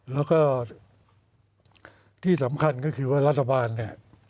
แล้วก็ที่สำคัญก็คือว่ารัฐบาลเนี่ย